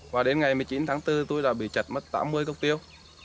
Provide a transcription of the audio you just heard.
và đến ngày một mươi chín tháng bốn tôi đã bị chặt mất tám mươi cốc tiêu